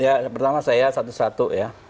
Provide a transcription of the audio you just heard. ya pertama saya satu satu ya